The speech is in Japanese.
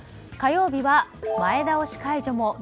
火曜日は前倒し解除も？